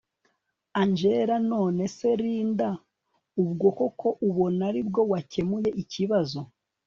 Angel none se Linda ubwo koko urabona aribwo wakemuye ikibazo